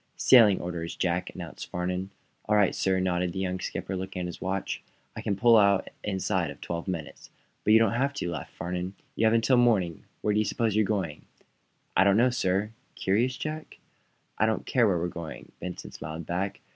"Sailing orders, Jack," announced Farnum. "All right, sir," nodded the young skipper, looking at his watch. "I can pull out inside of twelve minutes." "But you don't have to," laughed Farnum. "You have until morning. Where do you suppose you're going?" "I don't know, sir." "Curious, Jack?" "I don't care where we're going," Benson smiled back.